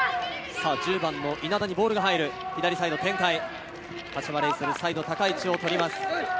稲田にボールが入る左サイド展開、柏レイソル、サイド高い位置を取ります。